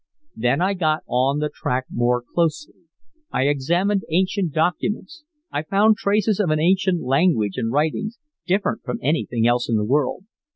"Then I got on the track more closely. I examined ancient documents. I found traces of an ancient language and writings, different from anything else in the world.